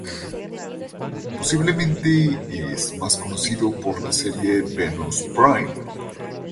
Posiblemente es más conocido por la serie Venus Prime.